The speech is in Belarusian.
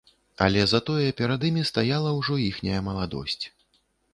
Але затое перад імі стаяла ўжо іхняя маладосць.